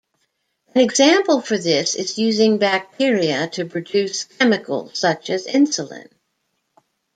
An example for this is using bacteria to produce chemicals, such as insulin.